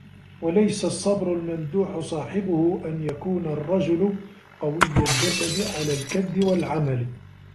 وَلَيْسَ الصَّبْرُ الْمَمْدُوحُ صَاحِبُهُ أَنْ يَكُونَ الرَّجُلُ قَوِيَّ الْجَسَدِ عَلَى الْكَدِّ وَالْعَمَلِ